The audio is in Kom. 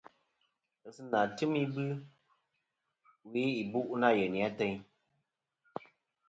Ghesɨnà tɨm ibɨ we ìbu' nâ yeyni ateyn.